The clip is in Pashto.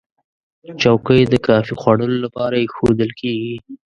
چوکۍ د کافي خوړلو لپاره ایښودل کېږي.